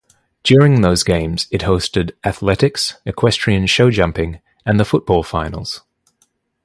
During those games, it hosted athletics, equestrian show jumping, and the football finals.